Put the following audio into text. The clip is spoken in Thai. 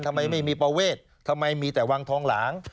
ทำไมไม่มีประเวททำไมมีแต่วังทองหลาง